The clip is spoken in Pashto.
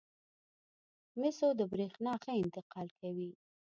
مسو د برېښنا ښه انتقال کوي.